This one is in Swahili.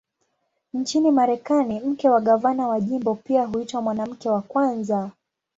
Nchini Marekani, mke wa gavana wa jimbo pia huitwa "Mwanamke wa Kwanza".